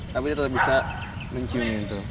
tapi tetap bisa mencium itu